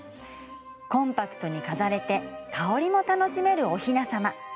コンパクトに飾れて香りも楽しめるおひな様。